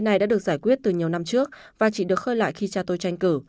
này đã được giải quyết từ nhiều năm trước và chỉ được khơi lại khi cha tôi tranh cử